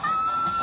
あ。